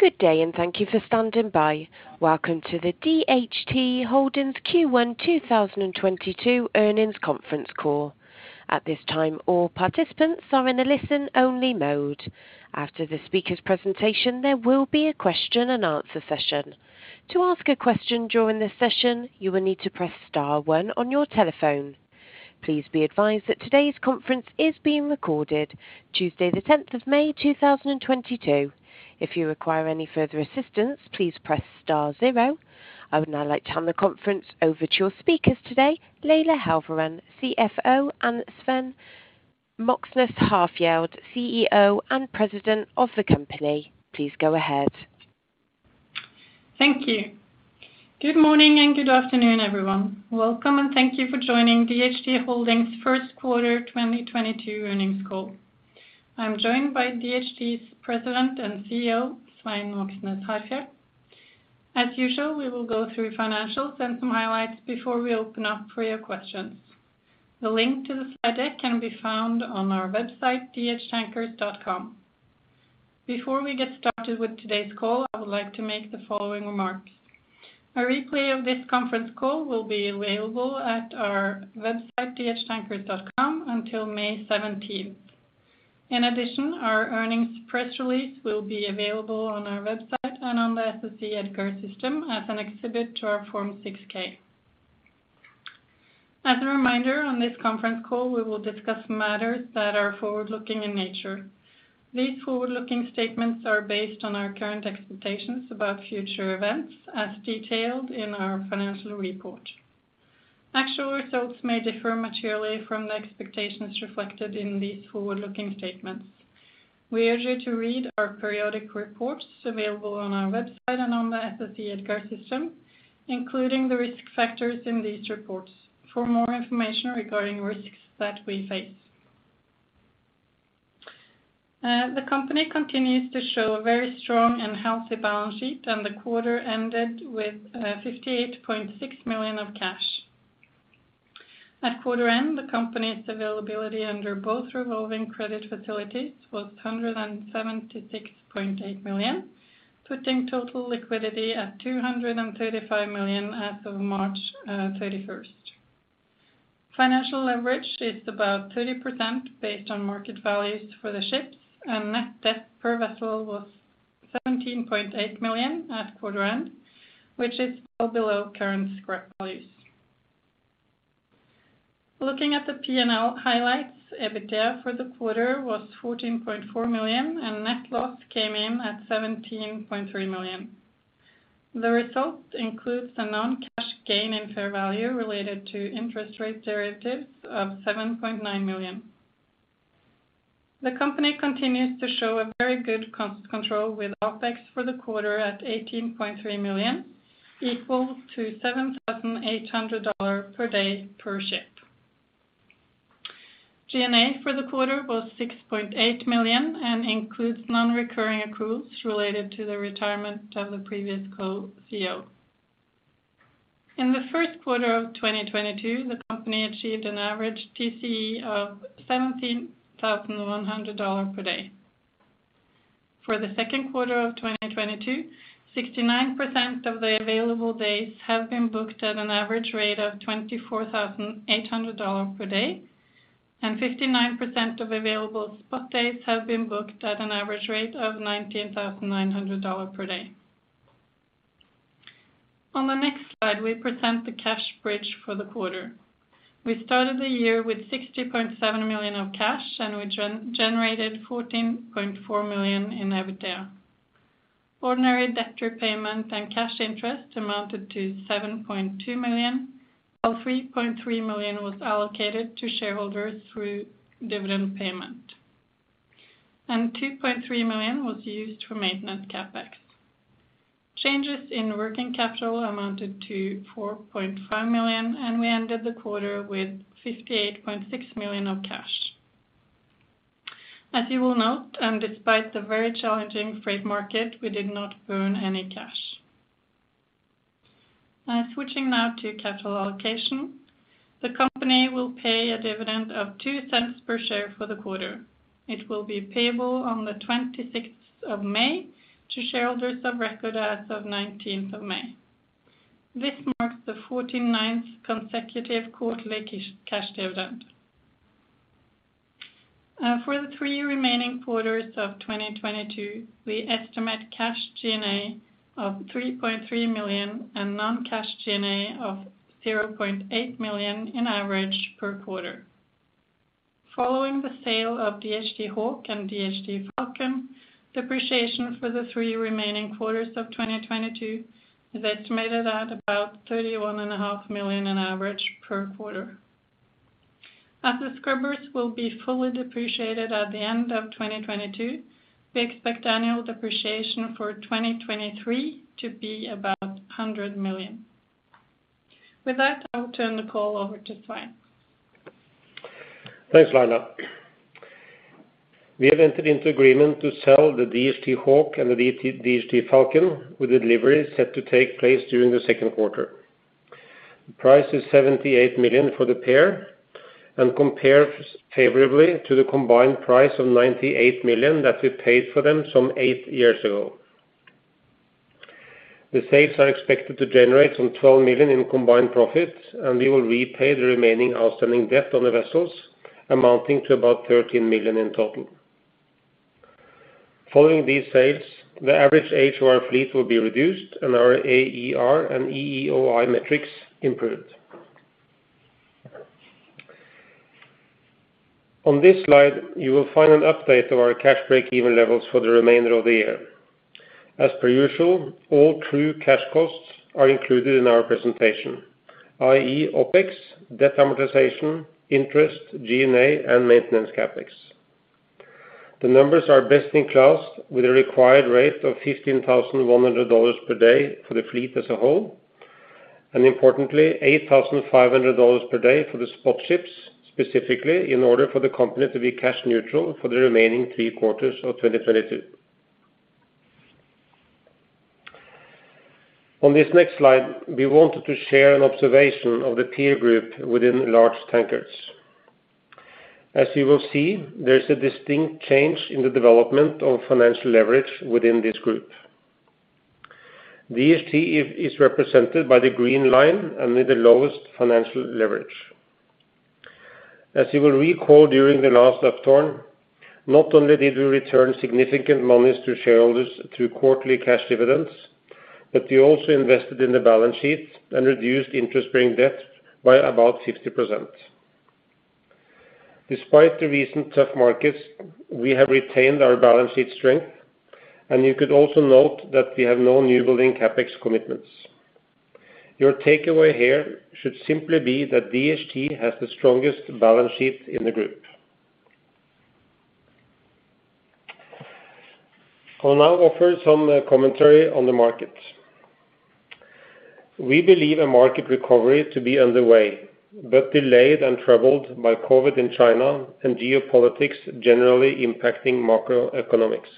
Good day and thank you for standing by. Welcome to the DHT Holdings Q1 2022 earnings conference call. At this time, all participants are in a listen-only mode. After the speaker's presentation, there will be a question-and-answer session. To ask a question during this session, you will need to press star one on your telephone. Please be advised that today's conference is being recorded, Tuesday, the 10th of May, 2022. If you require any further assistance, please press star zero. I would now like to turn the conference over to your speakers today, Laila Halvorsen, CFO, and Svein Moxnes Harfjeld, CEO and President of the company. Please go ahead. Thank you. Good morning and good afternoon, everyone. Welcome and thank you for joining DHT Holdings first quarter 2022 earnings call. I am joined by DHT's President and CEO, Svein Moxnes Harfjeld. As usual, we will go through financials and some highlights before we open up for your questions. The link to the slide deck can be found on our website, dhtankers.com. Before we get started with today's call, I would like to make the following remarks. A replay of this conference call will be available at our website, dhtankers.com, until May 17th. In addition, our earnings press release will be available on our website and on the SEC EDGAR system as an exhibit to our Form 6-K. As a reminder, on this conference call, we will discuss matters that are forward-looking in nature. These forward-looking statements are based on our current expectations about future events as detailed in our financial report. Actual results may differ materially from the expectations reflected in these forward-looking statements. We urge you to read our periodic reports available on our website and on the SEC EDGAR system, including the risk factors in these reports for more information regarding risks that we face. The company continues to show a very strong and healthy balance sheet, and the quarter ended with $58.6 million of cash. At quarter end, the company's availability under both revolving credit facilities was $176.8 million, putting total liquidity at $235 million as of March 31st. Financial leverage is about 30% based on market values for the ships, and net debt per vessel was $17.8 million at quarter end, which is still below current scrap values. Looking at the P&L highlights, EBITDA for the quarter was $14.4 million, and net loss came in at $17.3 million. The result includes a non-cash gain in fair value related to interest rate derivatives of $7.9 million. The company continues to show a very good cost control with OpEx for the quarter at $18.3 million, equal to $7,800 dollar per day per ship. G&A for the quarter was $6.8 million and includes non-recurring accruals related to the retirement of the previous co-CEO. In the first quarter of 2022, the company achieved an average TCE of $17,100 dollar per day. For the second quarter of 2022, 69% of the available days have been booked at an average rate of $24,800 per day, and 59% of available spot days have been booked at an average rate of $19,900 per day. On the next slide, we present the cash bridge for the quarter. We started the year with $60.7 million of cash, and we generated $14.4 million in EBITDA. Ordinary debt repayment and cash interest amounted to $7.2 million, while $3.3 million was allocated to shareholders through dividend payment, and $2.3 million was used for maintenance CapEx. Changes in working capital amounted to $4.5 million, and we ended the quarter with $58.6 million of cash. As you will note, despite the very challenging freight market, we did not burn any cash. Switching now to capital allocation. The company will pay a dividend of $0.02 per share for the quarter. It will be payable on the 26th of May to shareholders of record as of nineteenth of May. This marks the 49th consecutive quarterly cash dividend. For the three remaining quarters of 2022, we estimate cash G&A of $3.3 million and non-cash G&A of $0.8 million in average per quarter. Following the sale of DHT Hawk and DHT Falcon, depreciation for the three remaining quarters of 2022 is estimated at about $31.5 million in average per quarter. As the scrubbers will be fully depreciated at the end of 2022, we expect annual depreciation for 2023 to be about $100 million. With that, I'll turn the call over to Svein. Thanks, Laila. We have entered into agreement to sell the DHT Hawk and the DHT Falcon with the delivery set to take place during the second quarter. Price is $78 million for the pair and compares favorably to the combined price of $98 million that we paid for them some eight years ago. The sales are expected to generate some $12 million in combined profits, and we will repay the remaining outstanding debt on the vessels amounting to about $13 million in total. Following these sales, the average age of our fleet will be reduced and our AER and EEOI metrics improved. On this slide, you will find an update of our cash break-even levels for the remainder of the year. As per usual, all true cash costs are included in our presentation, i.e., OpEx, debt amortization, interest, G&A, and maintenance CapEx. The numbers are best in class with a required rate of $15,100 per day for the fleet as a whole, and importantly, $8,500 per day for the spot ships, specifically in order for the company to be cash neutral for the remaining three quarters of 2022. On this next slide, we wanted to share an observation of the peer group within large tankers. As you will see, there is a distinct change in the development of financial leverage within this group. DHT is represented by the green line and with the lowest financial leverage. As you will recall during the last upturn, not only did we return significant monies to shareholders through quarterly cash dividends, but we also invested in the balance sheet and reduced interest-bearing debt by about 60%. Despite the recent tough markets, we have retained our balance sheet strength, and you could also note that we have no new building CapEx commitments. Your takeaway here should simply be that DHT has the strongest balance sheet in the group. I will now offer some commentary on the market. We believe a market recovery to be underway, but delayed and troubled by COVID in China and geopolitics generally impacting macroeconomics.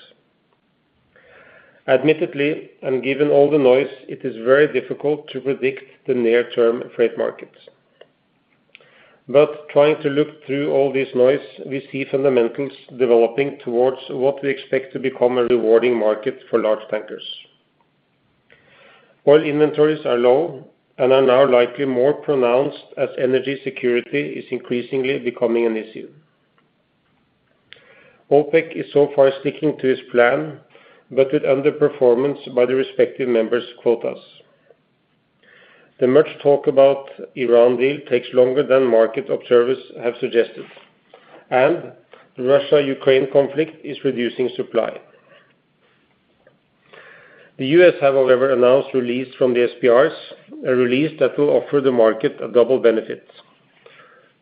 Admittedly, and given all the noise, it is very difficult to predict the near term freight market. Trying to look through all this noise, we see fundamentals developing towards what we expect to become a rewarding market for large tankers. Oil inventories are low and are now likely more pronounced as energy security is increasingly becoming an issue. OPEC is so far sticking to its plan, but with underperformance by the respective members' quotas. The much talked about Iran deal takes longer than market observers have suggested, and the Russia-Ukraine conflict is reducing supply. The U.S. have however announced release from the SPRs, a release that will offer the market a double benefit.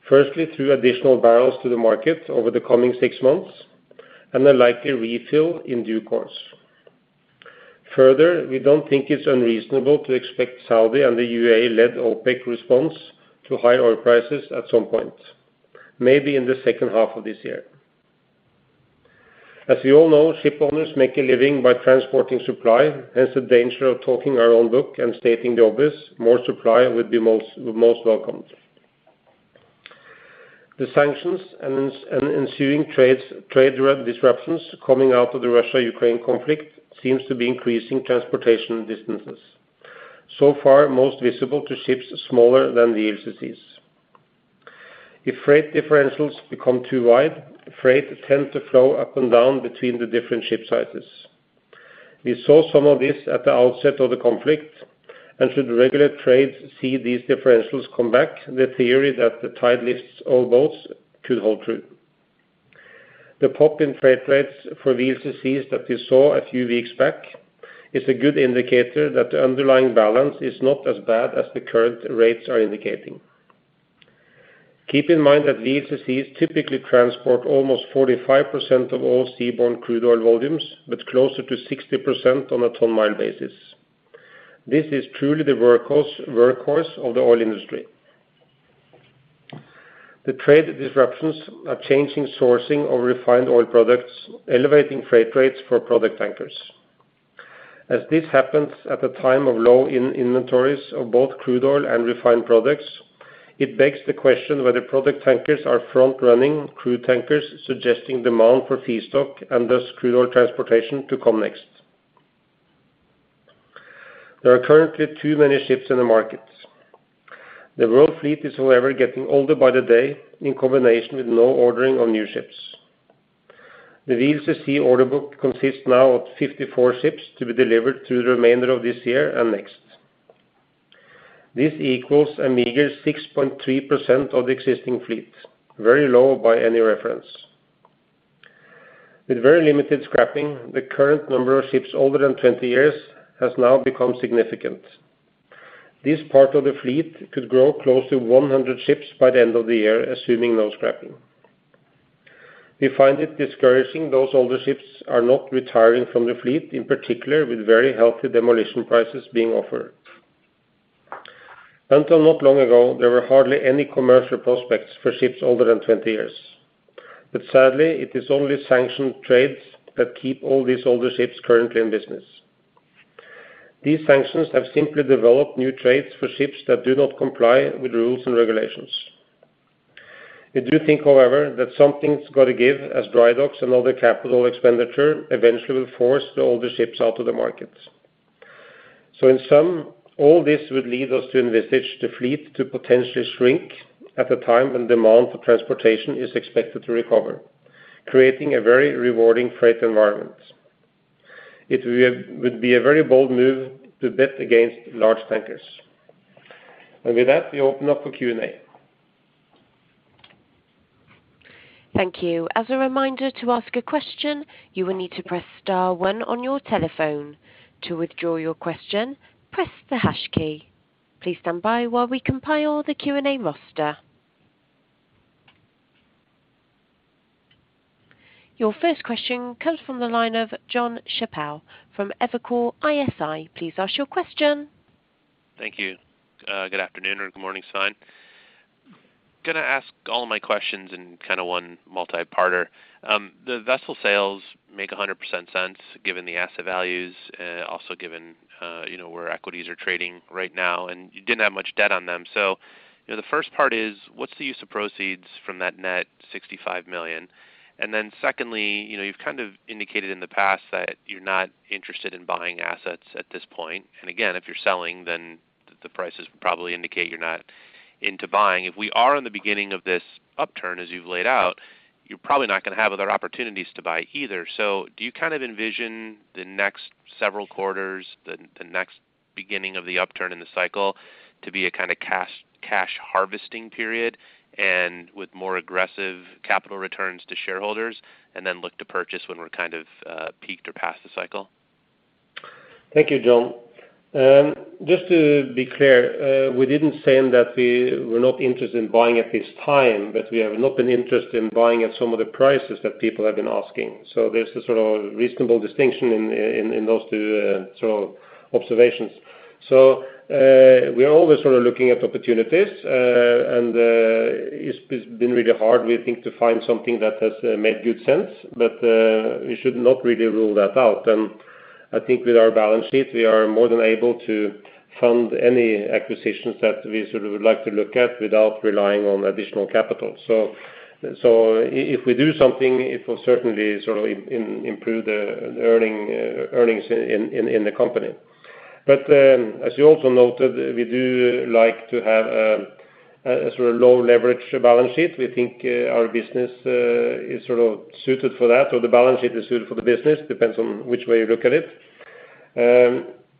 Firstly, through additional barrels to the market over the coming six months, and a likely refill in due course. Further, we don't think it's unreasonable to expect Saudi and the UAE-led OPEC response to high oil prices at some point, maybe in the second half of this year. As we all know, ship owners make a living by transporting supply, hence the danger of talking our own book and stating the obvious, more supply would be most welcomed. The sanctions and ensuing trade disruptions coming out of the Russia-Ukraine conflict seems to be increasing transportation distances, so far most visible to ships smaller than VLCCs. If freight differentials become too wide, freight tend to flow up and down between the different ship sizes. We saw some of this at the outset of the conflict, and should regular trades see these differentials come back, the theory that the tide lifts all boats could hold true. The pop in freight rates for VLCCs that we saw a few weeks back is a good indicator that the underlying balance is not as bad as the current rates are indicating. Keep in mind that VLCCs typically transport almost 45% of all seaborne crude oil volumes, but closer to 60% on a ton mile basis. This is truly the workhorse of the oil industry. The trade disruptions are changing sourcing of refined oil products, elevating freight rates for product tankers. As this happens at the time of low in-inventories of both crude oil and refined products, it begs the question whether product tankers are front running crude tankers suggesting demand for feedstock and thus crude oil transportation to come next. There are currently too many ships in the market. The world fleet is however getting older by the day in combination with no ordering of new ships. The VLCC order book consists now of 54 ships to be delivered through the remainder of this year and next. This equals a meager 6.3% of the existing fleet, very low by any reference. With very limited scrapping, the current number of ships older than 20 years has now become significant. This part of the fleet could grow close to 100 ships by the end of the year, assuming no scrapping. We find it discouraging those older ships are not retiring from the fleet, in particular with very healthy demolition prices being offered. Until not long ago, there were hardly any commercial prospects for ships older than 20 years. Sadly, it is only sanctioned trades that keep all these older ships currently in business. These sanctions have simply developed new trades for ships that do not comply with rules and regulations. We do think, however, that something's got to give as dry docks and other capital expenditure eventually will force the older ships out of the market. In sum, all this would lead us to envisage the fleet to potentially shrink at a time when demand for transportation is expected to recover, creating a very rewarding freight environment. It would be a very bold move to bet against large tankers. With that, we open up for Q&A. Thank you. As a reminder, to ask a question, you will need to press star one on your telephone. To withdraw your question, press the hash key. Please stand by while we compile the Q&A roster. Your first question comes from the line of Jon Chappell from Evercore ISI. Please ask your question. Thank you. Good afternoon or good morning, Svein Moxnes Harfjeld. Gonna ask all my questions in kind of one multiparter. The vessel sales make 100% sense given the asset values, also given, you know, where equities are trading right now, and you didn't have much debt on them. The first part is what's the use of proceeds from that net $65 million? And then secondly, you know, you've kind of indicated in the past that you're not interested in buying assets at this point. Again, if you're selling, then the prices probably indicate you're not into buying. If we are in the beginning of this upturn, as you've laid out, you're probably not gonna have other opportunities to buy either. Do you kind of envision the next several quarters, the next beginning of the upturn in the cycle to be a kind of cash harvesting period and with more aggressive capital returns to shareholders and then look to purchase when we're kind of peaked or past the cycle? Thank you, Jon. Just to be clear, we didn't say that we were not interested in buying at this time, but we have not been interested in buying at some of the prices that people have been asking. There's a sort of reasonable distinction in those two sort of observations. We are always sort of looking at opportunities, and it's been really hard, we think, to find something that has made good sense. We should not really rule that out. I think with our balance sheet, we are more than able to fund any acquisitions that we sort of would like to look at without relying on additional capital. If we do something, it will certainly sort of improve the earnings in the company. As you also noted, we do like to have a sort of low leverage balance sheet. We think our business is sort of suited for that, or the balance sheet is suited for the business, depends on which way you look at it.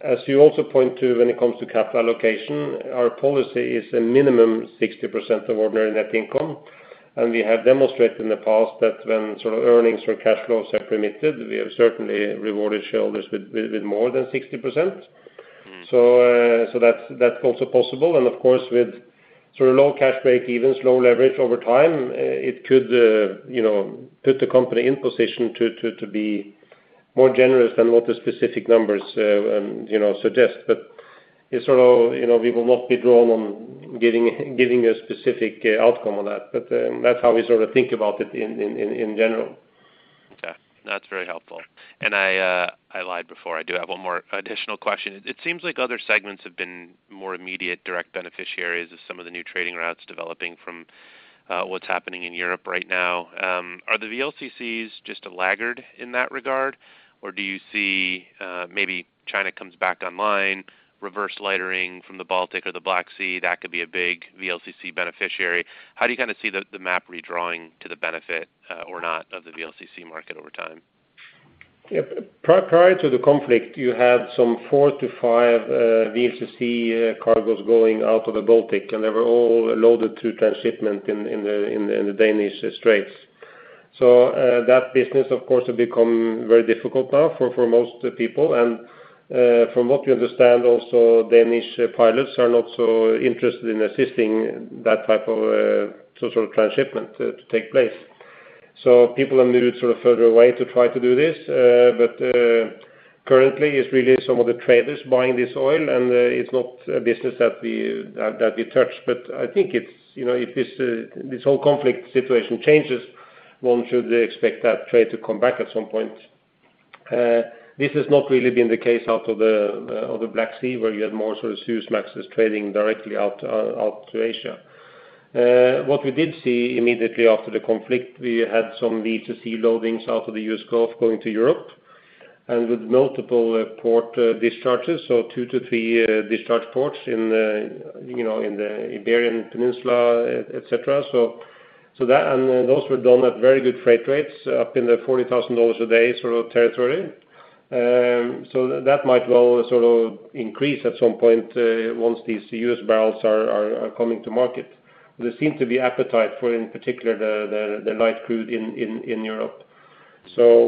As you also point to when it comes to capital allocation, our policy is a minimum 60% of ordinary net income. We have demonstrated in the past that when sort of earnings or cash flows have permitted, we have certainly rewarded shareholders with more than 60%. Mm. That's also possible. Of course, with sort of low cash breakevens, low leverage over time, it could, you know, put the company in position to be more generous than what the specific numbers, you know, suggest. It sort of, you know, we will not be drawn on giving a specific outcome on that. That's how we sort of think about it in general. Okay. That's very helpful. I lied before. I do have one more additional question. It seems like other segments have been more immediate direct beneficiaries of some of the new trading routes developing from what's happening in Europe right now. Are the VLCCs just a laggard in that regard? Or do you see maybe China comes back online, reverse lightering from the Baltic or the Black Sea, that could be a big VLCC beneficiary. How do you kind of see the map redrawing to the benefit or not of the VLCC market over time? Yep. Prior to the conflict, you had some four to five VLCC cargoes going out of the Baltic, and they were all loaded through transshipment in the Danish Straits. That business, of course, has become very difficult now for most people. From what we understand also, Danish pilots are not so interested in assisting that type of sort of transshipment to take place. People have moved sort of further away to try to do this. Currently it's really some of the traders buying this oil, and it's not a business that we touch. I think it's, you know, if this whole conflict situation changes, one should expect that trade to come back at some point. This has not really been the case out of the Black Sea, where you have more sort of Suezmaxes trading directly out to Asia. What we did see immediately after the conflict, we had some VLCC loadings out of the U.S. Gulf going to Europe, and with multiple port discharges, so two to three discharge ports in the Iberian Peninsula, etc. Those were done at very good freight rates, up in the $40,000 a day sort of territory. This might well sort of increase at some point, once these U.S. barrels are coming to market. There seem to be appetite for, in particular, the light crude in Europe,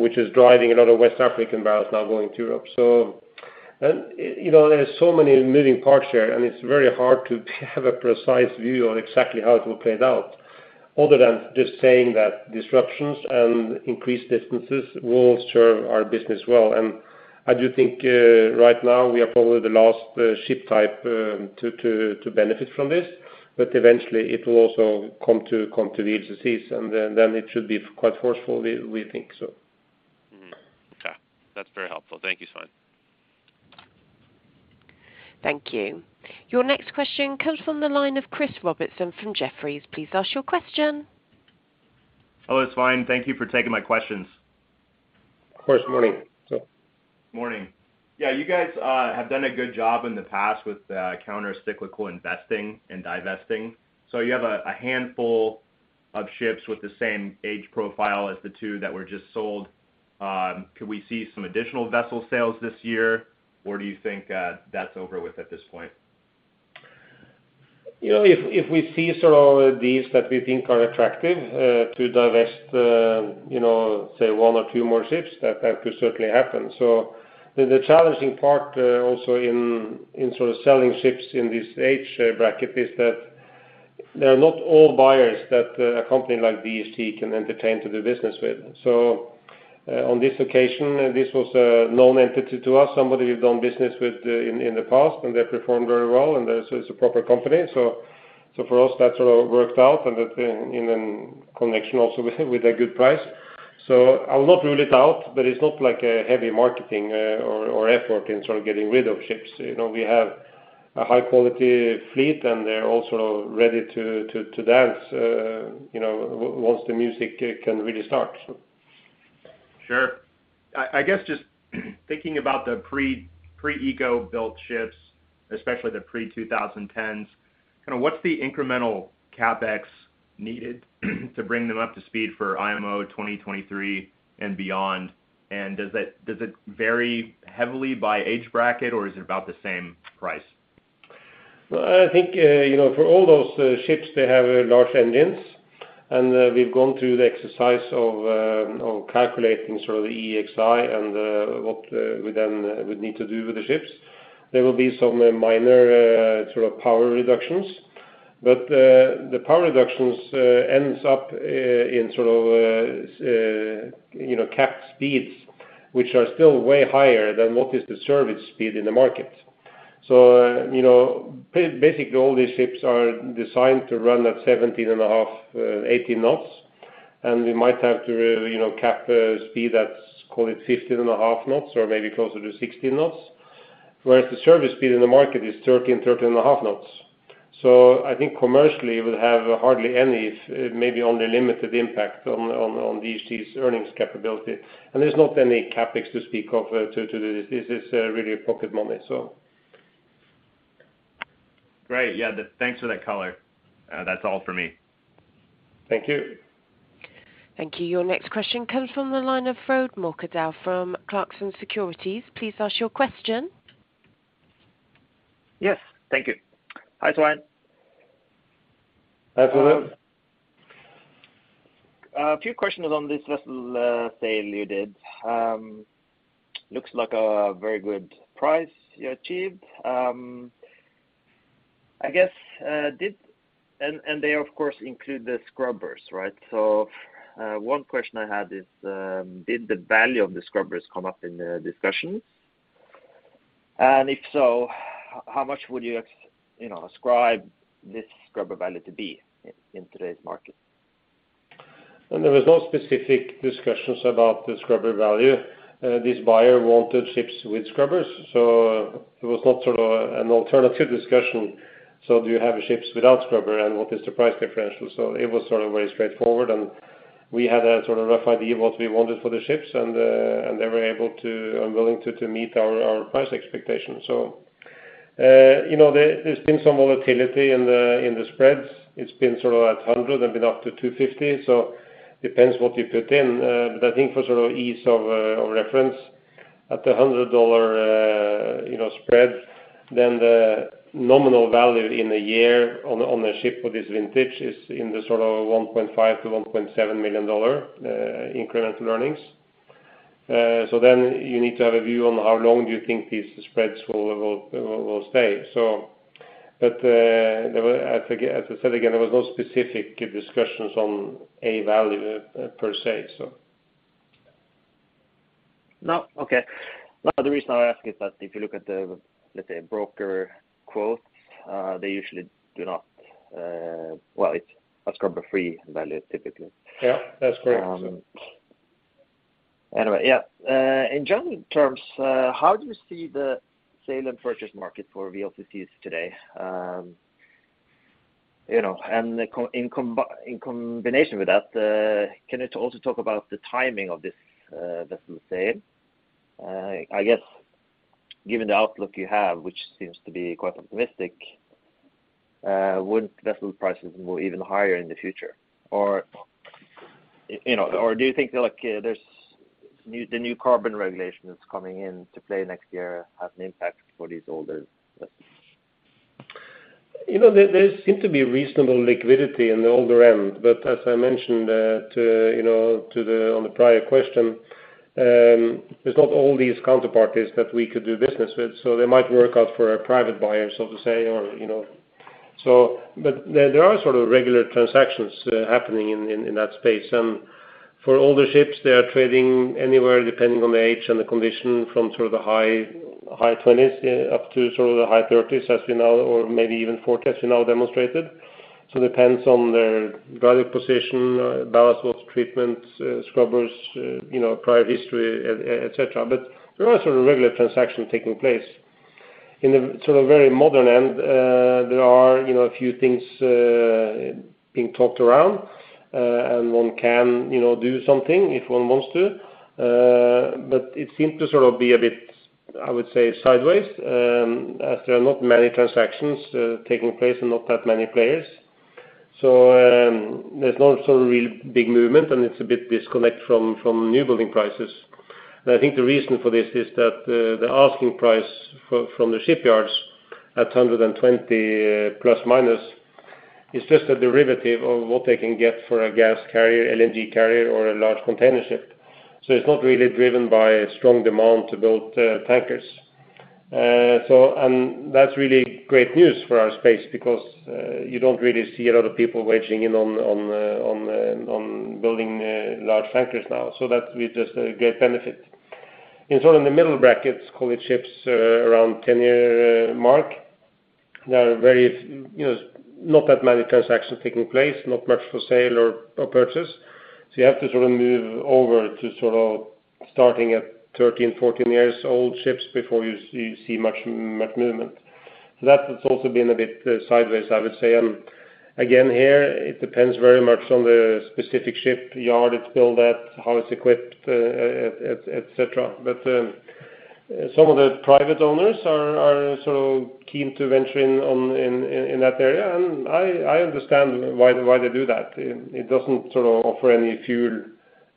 which is driving a lot of West African barrels now going to Europe. You know, there are so many moving parts here, and it's very hard to have a precise view on exactly how it will play out, other than just saying that disruptions and increased distances will serve our business well. I do think right now we are probably the last ship type to benefit from this, but eventually it will also come to the VLCCs, and then it should be quite forceful, we think so. That's very helpful. Thank you, Svein. Thank you. Your next question comes from the line of Chris Robertson from Jefferies. Please ask your question. Hello, Svein. Thank you for taking my questions. Of course. Morning. Morning. Yeah, you guys, have done a good job in the past with the countercyclical investing and divesting. You have a handful of ships with the same age profile as the two that were just sold. Could we see some additional vessel sales this year, or do you think that's over with at this point? You know, if we see sort of deals that we think are attractive to divest, you know, say one or two more ships, that could certainly happen. The challenging part also in sort of selling ships in this age bracket is that they are not all buyers that a company like DHT can entertain to do business with. On this occasion, this was a known entity to us, somebody we've done business with in the past, and they performed very well, and so it's a proper company. For us that sort of worked out and that in connection also with a good price. I will not rule it out, but it's not like a heavy marketing or effort in sort of getting rid of ships. You know, we have a high-quality fleet and they're also ready to dance, you know, once the music can really start. Sure. I guess just thinking about the pre-eco built ships, especially the pre-2010s, kind of what's the incremental CapEx needed to bring them up to speed for IMO 2023 and beyond? Does it vary heavily by age bracket, or is it about the same price? Well, I think, you know, for all those ships, they have large engines, and we've gone through the exercise of calculating sort of the EEXI and what we then would need to do with the ships. There will be some minor, sort of power reductions. The power reductions ends up in sort of, you know, capped speeds, which are still way higher than what is the service speed in the market. You know, basically, all these ships are designed to run at 17.5-18 knots, and we might have to, you know, cap speed at, call it 15.5 knots or maybe closer to 16 knots. Whereas the service speed in the market is 13-13.5 knots. I think commercially it would have hardly any, maybe only limited impact on DHT's earnings capability. There's not any CapEx to speak of to this. This is really a pocket money. Great. Yeah, thanks for that color. That's all for me. Thank you. Thank you. Your next question comes from the line of Frode Mørkedal from Clarksons Securities. Please ask your question. Yes. Thank you. Hi, Svein. Hi, Frode. A few questions on this vessel sale you did. Looks like a very good price you achieved. They of course include the scrubbers, right? One question I had is, did the value of the scrubbers come up in the discussions? If so, how much would you ascribe this scrubber value to be in today's market? There was no specific discussions about the scrubber value. This buyer wanted ships with scrubbers, so it was not sort of an alternative discussion. Do you have ships without scrubber and what is the price differential? It was sort of very straightforward, and we had a sort of rough idea what we wanted for the ships and they were able to and willing to meet our price expectations. You know, there's been some volatility in the spreads. It's been sort of at 100 and been up to 250, so depends what you put in. I think for sort of ease of reference at the $100, you know, spread, then the nominal value in a year on a ship of this vintage is in the sort of $1.5 million-$1.7 million incremental earnings. So then you need to have a view on how long do you think these spreads will stay. There were as I said again, there was no specific discussions on a value per se. No. Okay. The reason I ask is that if you look at the, let's say, broker quotes, they usually do not, well, it's a scrubber-free value, typically. Yeah, that's correct. Anyway, yeah. In general terms, how do you see the sale and purchase market for VLCCs today? You know, in combination with that, can you also talk about the timing of this vessel sale? I guess given the outlook you have, which seems to be quite optimistic, would vessel prices move even higher in the future? Or, you know, or do you think, like, there's the new carbon regulation that's coming into play next year has an impact for these older vessels? You know, there seem to be reasonable liquidity in the older end, but as I mentioned, on the prior question, there's not all these counterparties that we could do business with, so they might work out for a private buyer, so to say, or, you know. But there are sort of regular transactions happening in that space. For older ships, they are trading anywhere, depending on the age and the condition, from sort of the high-20s up to sort of the high-30s, as we know, or maybe even $40, as we now demonstrated. Depends on the value position, ballast water treatment, scrubbers, you know, prior history, etc. There are sort of regular transactions taking place. In the sort of very modern end, there are, you know, a few things being talked around, and one can, you know, do something if one wants to. It seems to sort of be a bit, I would say, sideways, as there are not many transactions taking place and not that many players. There's not some real big movement, and it's a bit disconnected from newbuilding prices. I think the reason for this is that the asking price from the shipyards at $120, ±, is just a derivative of what they can get for a gas carrier, LNG carrier or a large container ship. It's not really driven by strong demand to build tankers. That's really great news for our space because you don't really see a lot of people weighing in on building large tankers now, so that we just get benefit. In the middle brackets, call it ships around 10-year mark, there are very, you know, not that many transactions taking place, not much for sale or purchase. You have to sort of move over to sort of starting at 13-, 14-years-old ships before you see much movement. That has also been a bit sideways, I would say. Again, here, it depends very much on the specific ship, yard it's built at, how it's equipped, et cetera. Some of the private owners are sort of keen to venture in that area, and I understand why they do that. It doesn't sort of offer any fuel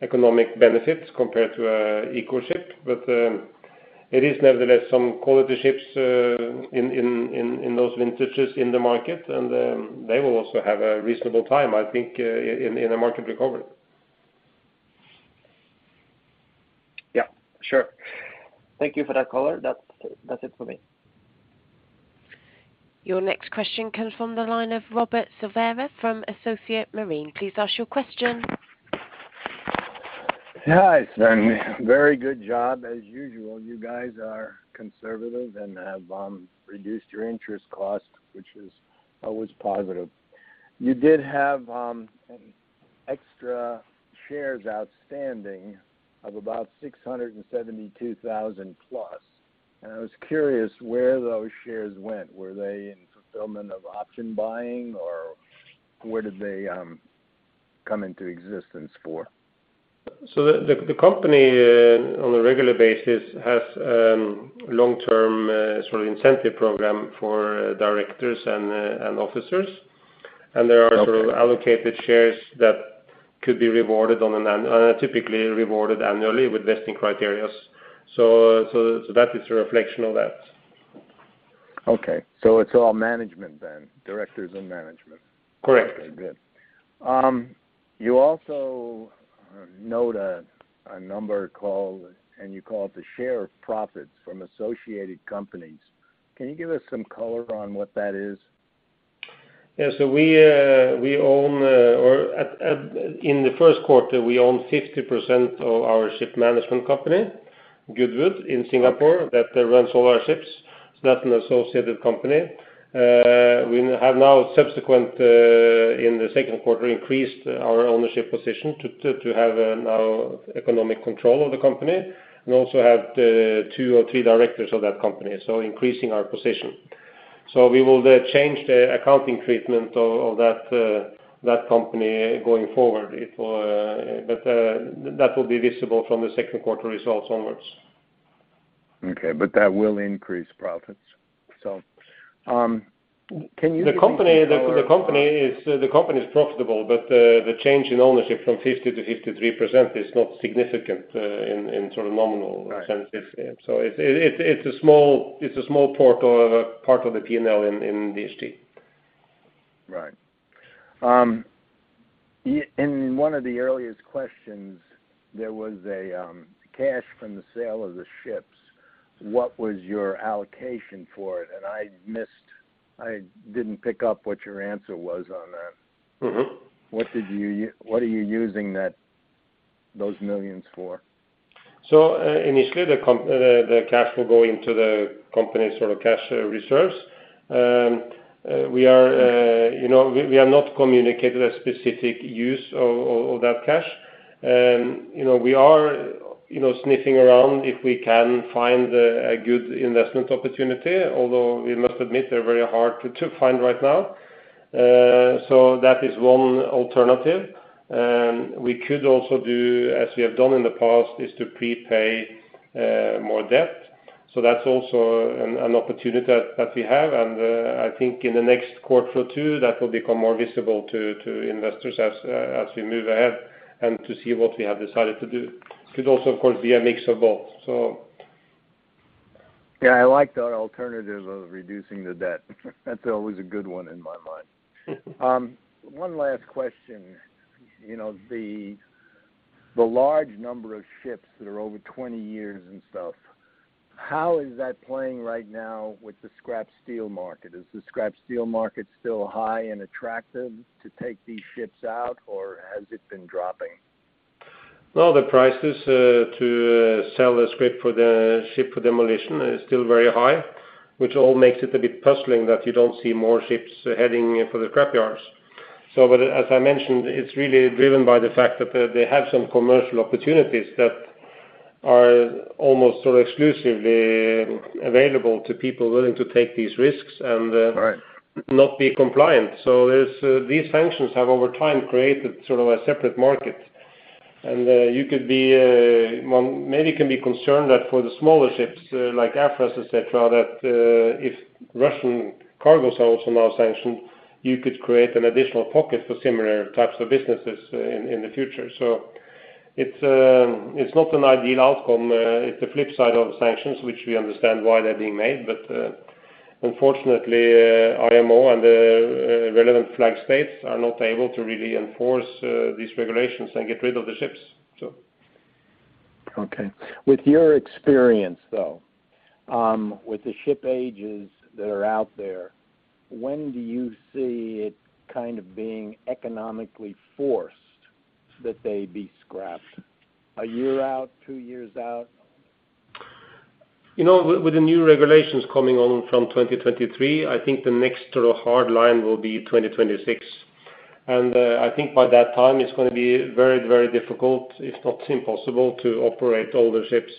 economy benefits compared to an eco ship, but it is nevertheless some quality ships in those vintages in the market, and they will also have a reasonable time, I think, in a market recovery. Yeah, sure. Thank you for that color. That's it for me. Your next question comes from the line of Robert Silvera from R.E. Silvera & Associates Marine. Please ask your question. Yeah, it's been very good job as usual. You guys are conservative and have reduced your interest costs, which is always positive. You did have extra shares outstanding of about 672,000 plus, and I was curious where those shares went. Were they in fulfillment of option buying, or where did they come into existence for? The company on a regular basis has long-term sort of incentive program for directors and officers. Okay. There are sort of allocated shares that could be typically rewarded annually with vesting criteria. That is a reflection of that. Okay. It's all management then, directors and management. Correct. Okay, good. You also note a number called, and you call it the share of profits from associated companies. Can you give us some color on what that is? We own in the first quarter 50% of our ship management company, Goodwood, in Singapore, that runs all our ships. That's an associated company. We have now subsequently in the second quarter increased our ownership position to have now economic control of the company. We also have the two or three directors of that company, so increasing our position. We will change the accounting treatment of that company going forward. That will be visible from the second quarter results onwards. Okay. That will increase profits. Can you give me color on- The company is profitable, but the change in ownership from 50%-53% is not significant, in sort of nominal sense. Right. It's a small part of the P&L in DHT. Right. In one of the earliest questions, there was a cash from the sale of the ships. What was your allocation for it? I didn't pick up what your answer was on that. Mm-hmm. What are you using that, those millions for? Initially, the cash will go into the company's sort of cash reserves. We are, you know, we have not communicated a specific use of that cash. You know, we are you know sniffing around if we can find a good investment opportunity, although we must admit they're very hard to find right now. That is one alternative. We could also do, as we have done in the past, is to prepay more debt. That's also an opportunity that we have. I think in the next quarter or two, that will become more visible to investors as we move ahead and to see what we have decided to do. Could also, of course, be a mix of both. Yeah, I like the alternative of reducing the debt. That's always a good one in my mind. One last question. You know, the large number of ships that are over 20 years and stuff, how is that playing right now with the scrap steel market? Is the scrap steel market still high and attractive to take these ships out, or has it been dropping? No, the prices to sell the scrap for the ship for demolition is still very high, which all makes it a bit puzzling that you don't see more ships heading in for the scrap yards. As I mentioned, it's really driven by the fact that they have some commercial opportunities that are almost sort of exclusively available to people willing to take these risks and. Right. Not be compliant. These sanctions have over time created sort of a separate market. You could be, maybe can be concerned that for the smaller ships, like Aframaxes, et cetera, that if Russian cargos are also now sanctioned, you could create an additional pocket for similar types of businesses in the future. It's not an ideal outcome. It's the flip side of the sanctions, which we understand why they're being made. Unfortunately, IMO and the relevant flag states are not able to really enforce these regulations and get rid of the ships, so. Okay. With your experience, though, with the ship ages that are out there, when do you see it kind of being economically forced that they be scrapped? A year out, two years out? You know, with the new regulations coming on from 2023, I think the next sort of hard line will be 2026. I think by that time it's gonna be very, very difficult, if not impossible, to operate older ships.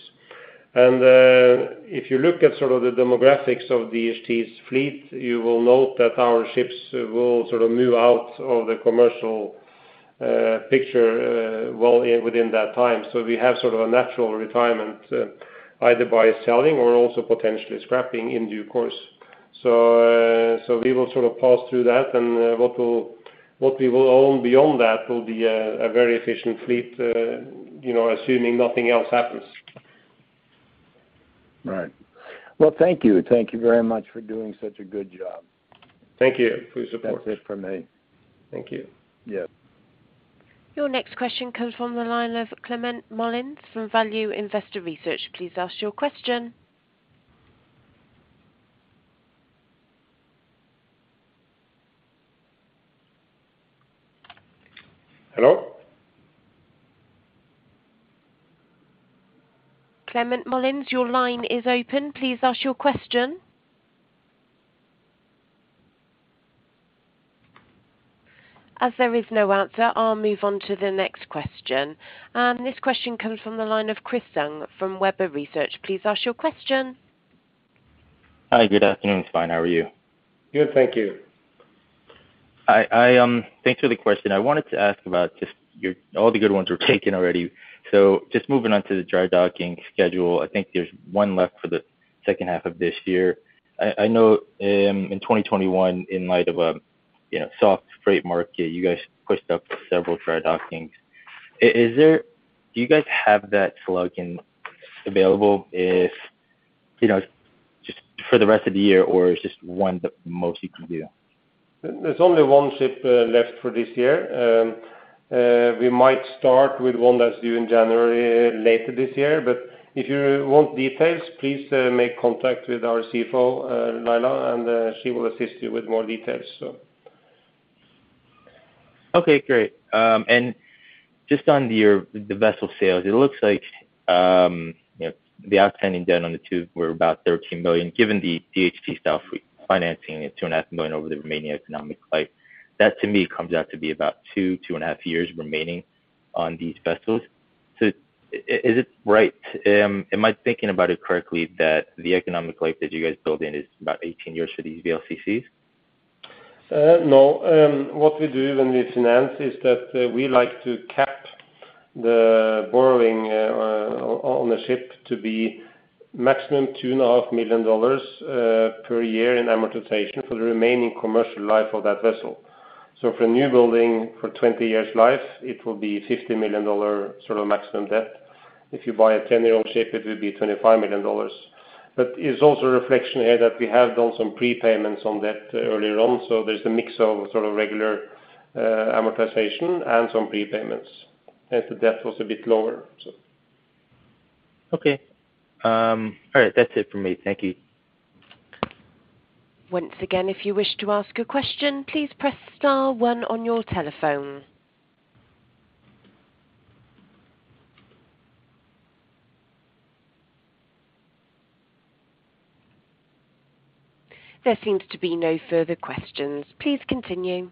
If you look at sort of the demographics of DHT's fleet, you will note that our ships will sort of move out of the commercial picture well within that time. We have sort of a natural retirement, either by selling or also potentially scrapping in due course. We will sort of pass through that and what we will own beyond that will be a very efficient fleet, you know, assuming nothing else happens. Right. Well, thank you. Thank you very much for doing such a good job. Thank you for your support. That's it for me. Thank you. Yeah. Your next question comes from the line of Clement Mullins from Value Investors Edge. Please ask your question. Hello? Clement Mullins, your line is open. Please ask your question. As there is no answer, I'll move on to the next question. This question comes from the line of Chris Tsung from Webber Research. Please ask your question. Hi, good afternoon, Svein. How are you? Good, thank you. Thanks for the question. I wanted to ask about just your. All the good ones were taken already. Just moving on to the drydocking schedule. I think there's one left for the second half of this year. I know in 2021, in light of a you know soft freight market, you guys pushed up several drydockings. Do you guys have that slack in available if you know just for the rest of the year, or is it just one the most you can do? There's only one ship left for this year. We might start with one that's due in January later this year. If you want details, please make contact with our CFO, Laila, and she will assist you with more details. Okay, great. Just on your, the vessel sales, it looks like, you know, the outstanding debt on the two were about $13 million, given the DHT stuff, financing it $2.5 million over the remaining economic life. That to me comes out to be about two to 2.5 years remaining on these vessels. Is it right, am I thinking about it correctly, that the economic life that you guys built in is about 18 years for these VLCCs? No. What we do when we finance is that we like to cap the borrowing on the ship to be maximum $2.5 million per year in amortization for the remaining commercial life of that vessel. For a new building, for 20 years life, it will be $50 million dollar sort of maximum debt. If you buy a 10-year-old ship, it will be $25 million dollars. It's also a reflection here that we have done some prepayments on debt earlier on. There's a mix of sort of regular amortization and some prepayments. The debt was a bit lower, so. Okay. All right. That's it for me. Thank you. Once again, if you wish to ask a question, please press star one on your telephone. There seems to be no further questions. Please continue.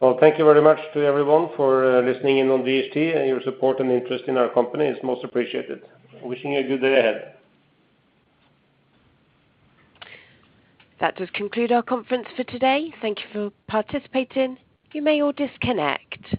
Well, thank you very much to everyone for listening in on DHT. Your support and interest in our company is most appreciated. Wishing you a good day ahead. That does conclude our conference for today. Thank you for participating. You may all disconnect.